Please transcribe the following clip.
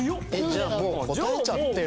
じゃあもう答えちゃってよ。